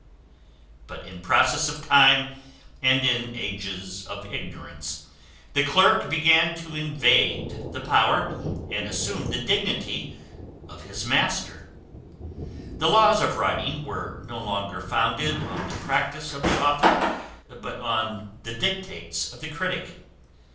But in process of time, and in ages of ignorance, the clerk began to invade the power and assume the dignity of his master. The laws of writing were no longer founded on the practice of the author, but on the dictates of the critic.